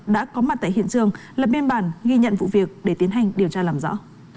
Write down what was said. đã có mặt tại hiện trường lập biên bản ghi nhận vụ việc để tiến hành điều tra làm rõ